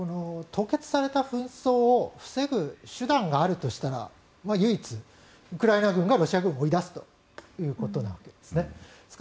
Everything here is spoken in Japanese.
凍結された紛争を防ぐ手段があるとしたら唯一、ウクライナ軍がロシア軍を追い出すということなわけです。